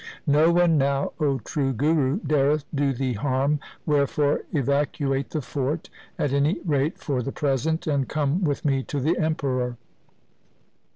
No one now, O true Guru, dareth do thee harm, wherefore evacuate the fort, at any rate for the present, and come with me to the Emperor.